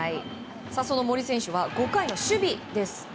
その森選手は５回の守備です。